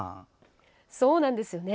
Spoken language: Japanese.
そうなんですよね。